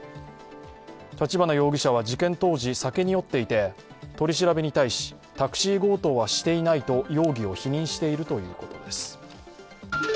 立花容疑者は事件当時酒に酔っていて取り調べに対し、タクシー強盗はしていないと容疑を否認しているということです。